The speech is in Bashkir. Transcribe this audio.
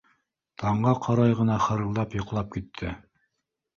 Таңға ҡарай ғына хырылдап йоҡлап китте.